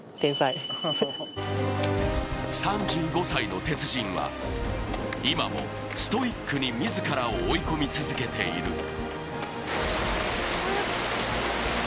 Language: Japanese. ３５歳の鉄人は今もストイックに自らを追い込み続けている。